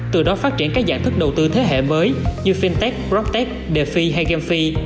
từ đó phát triển các dạng thức đầu tư thế hệ mới như fintech protech defi hay gamefi